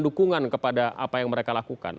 dukungan kepada apa yang mereka lakukan